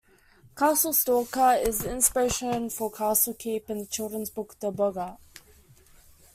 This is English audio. Castle Stalker is the inspiration for "Castle Keep" in the children's book, "The Boggart".